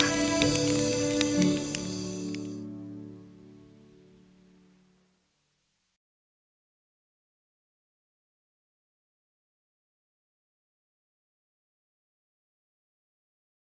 kami tidak mungkin meninggalkan mereka